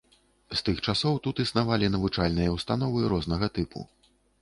З тых часоў тут існавалі навучальныя ўстановы рознага тыпу.